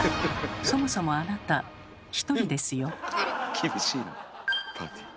そもそもあなた１人ですよ。え！